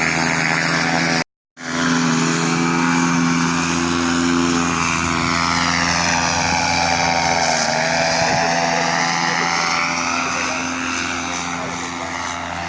และที่สุดท้ายและที่สุดท้าย